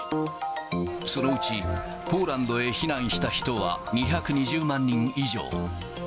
そのうち、ポーランドへ避難した人は２２０万人以上。